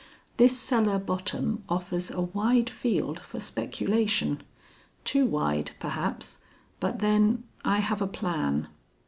"This cellar bottom offers a wide field for speculation. Too wide, perhaps, but, then, I have a plan."